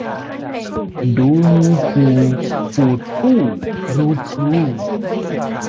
ดูงูขู่ฝูดฝู้ พรูพรู